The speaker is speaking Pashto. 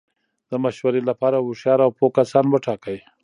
د مشورې له پاره هوښیار او پوه کسان وټاکئ!